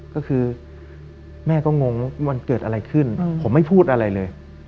ก็คือแม่ก็งงว่ามันเกิดอะไรขึ้นผมไม่พูดอะไรเลย